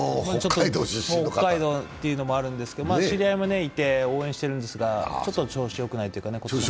北海道というのもあるんですけど、知り合いもいて応援してるんですがちょっと調子よくないというか。